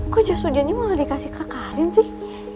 kok jasudiannya malah dikasih kak karin sih